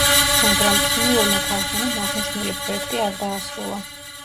მაგრამ ქიმიურმა ქარხანამ აღნიშნული პროექტი არ დაასრულა.